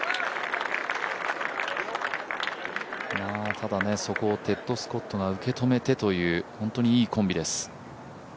ただ、そこをテッド・スコットが受け止めてという本当にいいコンビです。